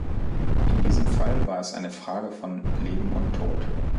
In diesem Fall war es eine Frage von “Leben und Tod”"“.